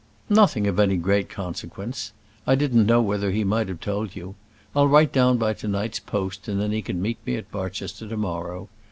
"Nothing of any great consequence. I didn't know whether he might have told you. I'll write down by to night's post, and then he can meet me at Barchester to morrow.